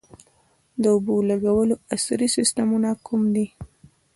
د اوبو لګولو عصري سیستمونه کوم دي؟